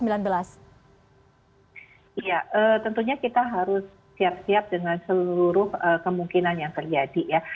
iya tentunya kita harus siap siap dengan seluruh kemungkinan yang terjadi ya